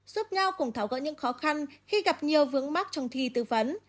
giúp nhau cùng tháo gỡ những khó khăn khi gặp nhiều vướng mắt trong thi tư vấn